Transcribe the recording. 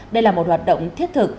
đây là một hoạt động thiết thực